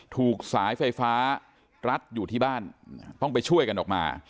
ถูกสายไฟฟ้ารัดอยู่ที่บ้านต้องไปช่วยกันออกมา